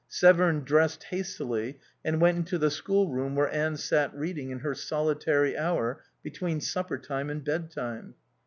Severn dressed hastily and went into the schoolroom where Anne sat reading in her solitary hour between supper time and bed time.